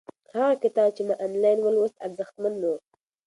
هغه کتاب چې ما آنلاین ولوست ارزښتمن و.